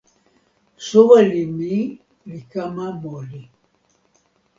soweli mi li kama moli.